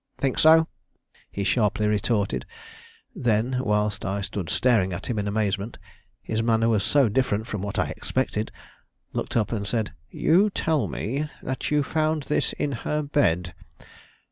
"Think so?" he sharply retorted; then, whilst I stood staring at him in amazement, his manner was so different from what I expected, looked up and said: "You tell me that you found this in her bed.